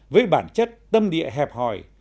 ba với bản chất tâm địa hẹp hỏi